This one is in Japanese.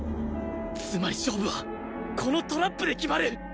つまり勝負はこのトラップで決まる！